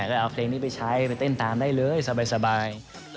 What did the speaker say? ก็เอาเพลงนี้ไปใช้ไปเต้นตามได้เลยสบาย